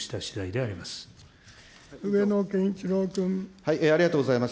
ありがとうございます。